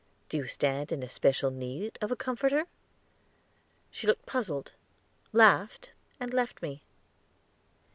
"Do you stand in especial need of a comforter?" She looked puzzled, laughed, and left me.